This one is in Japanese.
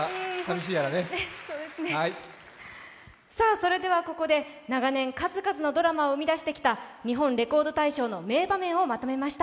それではここで長年数々のドラマを生み出してきた「日本レコード大賞」の名場面をまとめました。